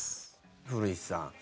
古市さん